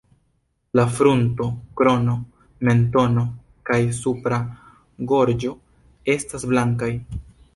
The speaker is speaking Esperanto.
La frunto, krono, mentono kaj supra gorĝo estas blankaj.